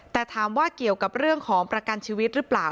แต่ถามว่าเกี่ยวกับเรื่องของประกันชีวิตหรือเปล่า